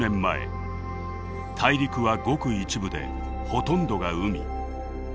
大陸はごく一部でほとんどが海。